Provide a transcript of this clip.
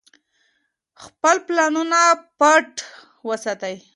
خپل پلانونه پټ وساتئ.